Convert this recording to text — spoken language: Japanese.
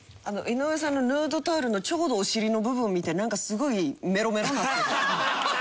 井上さんのヌードタオルのちょうどお尻の部分を見てなんかすごいメロメロになってる。